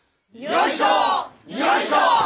よいしょ！